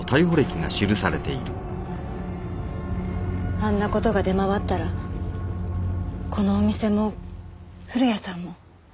あんな事が出回ったらこのお店も古谷さんも。